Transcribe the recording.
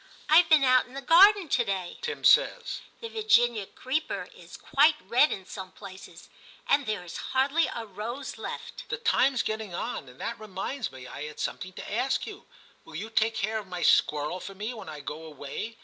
* I've been out in the garden to day,' Tim says ;* the Virginia creeper is quite red in some places, and there is hardly a rose left' ' The time's getting on, and that reminds me I had something to ask you: will you take care of my squirrel for me when I go away